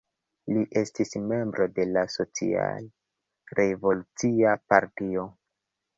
Li estis membro de la Social-Revolucia Partio.